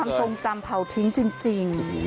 ทรงจำเผาทิ้งจริง